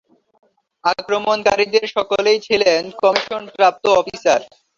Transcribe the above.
আক্রমণকারীদের সকলেই ছিলেন কমিশনপ্রাপ্ত অফিসার।